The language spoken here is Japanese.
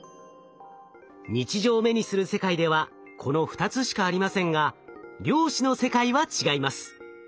日常目にする世界ではこの２つしかありませんが量子の世界は違います。